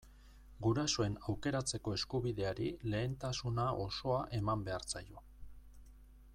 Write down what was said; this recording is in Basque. Gurasoen aukeratzeko eskubideari lehentasuna osoa eman behar zaio.